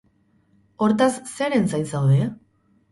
Hortaz, zeren zain zaude?